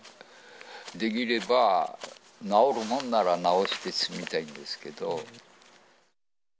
できれば、直るもんなら直して住みたいんですけど。